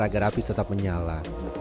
agar api tetap menyala